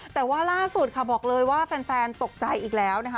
แต่ว่าล่าสุดค่ะบอกเลยว่าแฟนตกใจอีกแล้วนะคะ